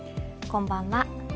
こんばんは。